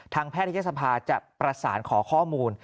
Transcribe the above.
ทางแพทย์ทัศนภาคจะประสานขอข้อมูล